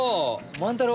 万太郎！